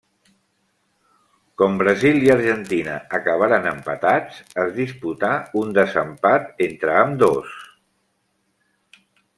Com Brasil i Argentina acabaren empatats, es disputà un desempat entre ambdós.